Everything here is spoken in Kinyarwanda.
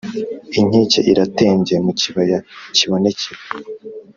Inkike iratembye mu kibaya cy’ibonekerwa,